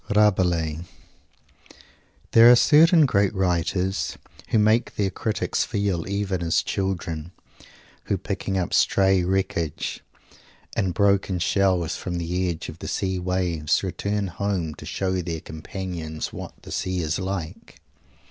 RABELAIS There are certain great writers who make their critics feel even as children, who picking up stray wreckage and broken shells from the edge of the sea waves, return home to show their companions "what the sea is like."